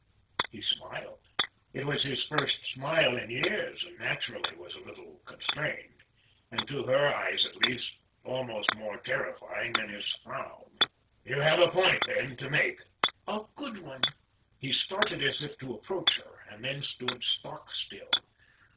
He smiled. It was his first smile in years and naturally was a little constrained, and to her eyes at least, almost more terrifying than his frown. "You have a point, then, to make?" "A good one." He started as if to approach her, and then stood stock still.